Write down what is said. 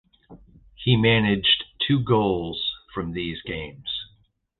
He managed two goals from these games.